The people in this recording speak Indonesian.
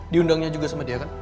diundangnya juga sama dia kan